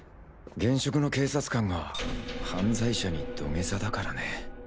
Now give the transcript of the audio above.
現職の警察官が犯罪者に土下座だからねぇ。